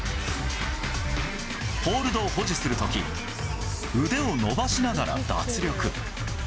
ホールドを保持するとき、腕を伸ばしながら脱力。